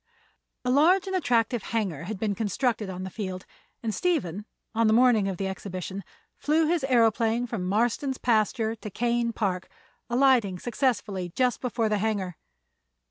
A large and attractive hangar had been constructed on the field, and Stephen, on the morning of the exhibition, flew his aëroplane from Marston's pasture to Kane Park, alighting successfully just before the hangar.